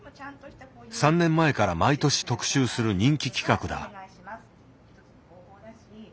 ３年前から毎年特集する人気企画だ。